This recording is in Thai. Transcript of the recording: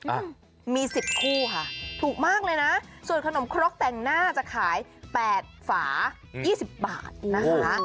อ่ะมีสิบคู่ค่ะถูกมากเลยนะส่วนขนมครกแต่งหน้าจะขายแปดฝา๒๐บาทนะคะ